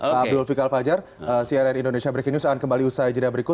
pak abdul fikal fajar cnn indonesia breaking news akan kembali usai jeda berikut